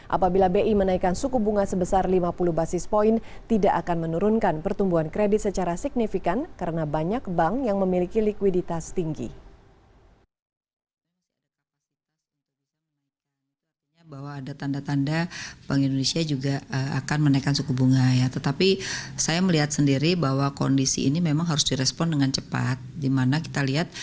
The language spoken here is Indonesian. apabila bi menaikkan suku bunga sebesar lima puluh basis point tidak akan menurunkan pertumbuhan kredit secara signifikan karena banyak bank yang memiliki likuiditas tinggi